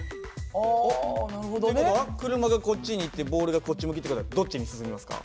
あなるほどね。って事は車がこっちに行ってボールがこっち向きって事はどっちに進みますか？